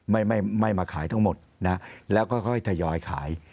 ไม่ไม่มาขายทั้งหมดนะแล้วก็ค่อยทยอยขาย